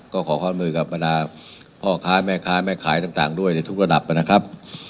ก็ขอความมือกับบรรดาพ่อค้าแม่ค้าแม่ขายต่างด้วยในทุกระดับนะครับ